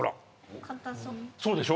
そうでしょ？